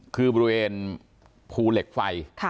คือบริเวณภูเหล็กไฟ